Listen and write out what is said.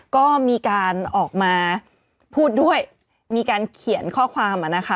ก็มีการออกมาพูดด้วยมีการเขียนข้อความอ่ะนะคะ